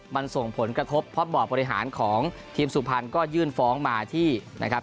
มันส่งผลกระทบเพราะบ่อบริหารของทีมสุพรรณก็ยื่นฟ้องมาที่นะครับ